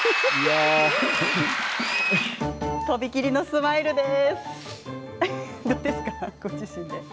とびきりのスマイルです。